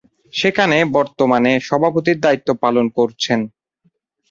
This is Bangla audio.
সেখানে বর্তমানে সভাপতির দায়িত্ব পালন করছেন।